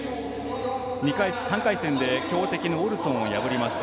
３回戦で強敵のオルソンを破りました。